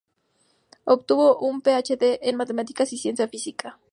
Obtuvo un PhD en matemáticas y ciencia física.